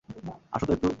আসো তো একটু।